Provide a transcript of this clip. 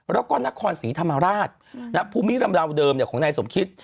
แล้วก็นครศรีธรรมาราชนะฮะภูมิเหล่าเดิมเนี่ยของนายสมคิต